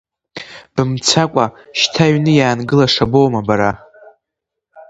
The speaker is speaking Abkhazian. Бымцакәа, шьҭа аҩны иаангылаша боума бара.